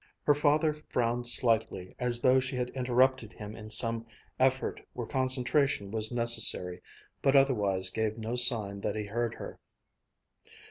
Her father frowned slightly, as though she had interrupted him in some effort where concentration was necessary, but otherwise gave no sign that he heard her.